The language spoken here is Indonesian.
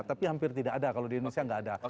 tapi hampir tidak ada kalau di indonesia tidak ada